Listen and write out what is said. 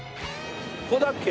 ここだっけ？